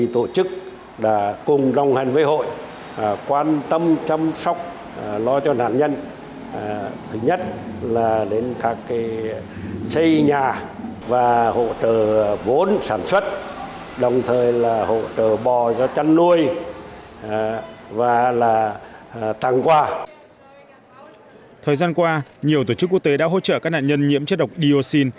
thời gian qua nhiều tổ chức quốc tế đã hỗ trợ các nạn nhân nhiễm chất độc dioxin